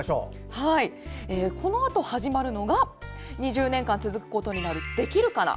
このあと始まるのが２０年間続くことになる「できるかな」